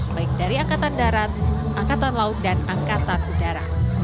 baik dari angkatan darat angkatan laut dan angkatan udara